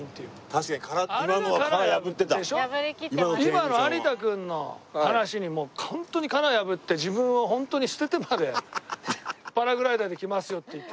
今の有田君の話にホントに殻破って自分をホントに捨ててまでパラグライダーで来ますよって言って。